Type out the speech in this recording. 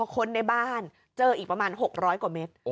คนในบ้านเจออีกประมาณ๖๐๐กว่าเมตร